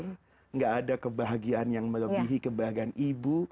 tidak ada kebahagiaan yang melebihi kebahagiaan ibu